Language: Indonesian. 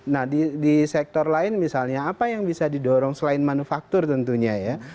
nah di sektor lain misalnya apa yang bisa didorong selain manufaktur tentunya ya